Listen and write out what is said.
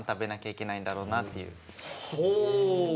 ほう。